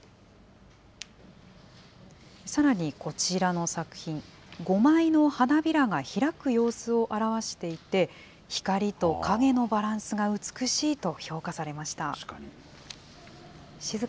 さらにこちらの作品、５枚の花びらが開く様子を表していて、光と影のバランスが美しいと評価されました。